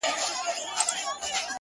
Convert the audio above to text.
• پر وجود څه ډول حالت وو اروا څه ډول وه،